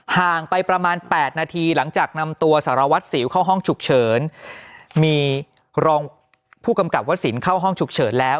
ห่างไปประมาณแปดนาทีหลังจากนำตัวสารวัตรสิวเข้าห้องฉุกเฉินมีรองผู้กำกับวสินเข้าห้องฉุกเฉินแล้ว